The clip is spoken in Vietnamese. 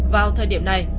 vào thời điểm này